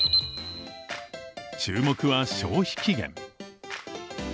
注目は消費期限。